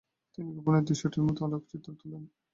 তিনি গোপণে দুইশোটির মত আলোকচিত্র তোলেন।